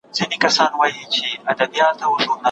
مېلمنو په لوړ غږ د کوربه ستاینه کوله.